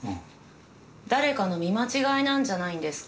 誰かの見間違いなんじゃないんですか？